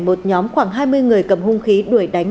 một nhóm khoảng hai mươi người cầm hung khí đuổi đánh